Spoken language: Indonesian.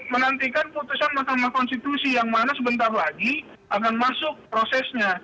menantikan putusan mahkamah konstitusi yang mana sebentar lagi akan masuk prosesnya